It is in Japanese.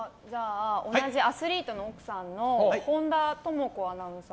同じアスリートの奥さんの本田朋子アナウンサー。